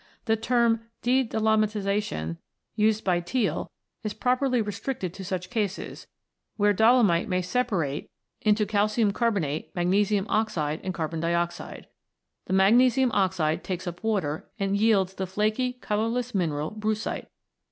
The term " de dolomitisation/' used by Tealld9), is properly restricted to such cases, where dolomite may separate into 32 36 ROCKS AND THEIR ORIGINS [CH. calcium carbonate, magnesium oxide, and carbon dioxide. The magnesium oxide takes up water and yields the flaky colourless mineral brucite.